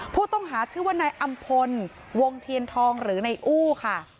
ผู้ต้องหาชื่อว่านายอำพลวงเทียนทองหรือในอู้ค่ะ